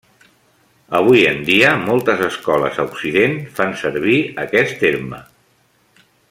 Avui en dia moltes escoles a occident fan servir aquest terme.